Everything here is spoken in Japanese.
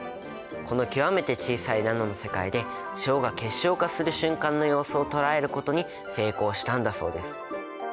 この極めて小さいナノの世界で塩が結晶化する瞬間の様子を捉えることに成功したんだそうです。